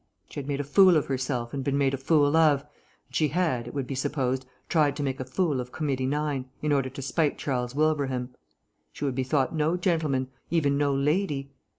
She had made a fool of herself and been made a fool of, and she had, it would be supposed, tried to make a fool of Committee 9 in order to spite Charles Wilbraham. She would be thought no gentleman, even no lady.